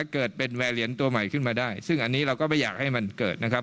เกิดเป็นแวร์เหรียญตัวใหม่ขึ้นมาได้ซึ่งอันนี้เราก็ไม่อยากให้มันเกิดนะครับ